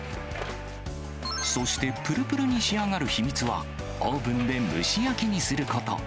そしてぷるぷるに仕上がる秘密は、オーブンで蒸し焼きにすること。